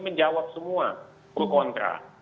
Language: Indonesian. menjawab semua pro kontra